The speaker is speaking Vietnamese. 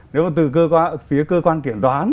nếu mà từ phía cơ quan kiểm toán